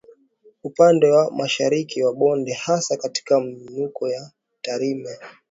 Upande wa Mashariki wa bonde hasa katika miinuko ya Tarime